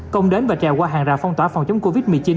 công đến và trèo qua hàng rào phong tỏa phòng chống covid một mươi chín